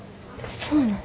そうなん。